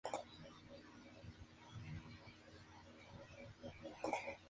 No tenía cuernos sobre los ojos, a diferencia de la mayoría de los ceratópsidos.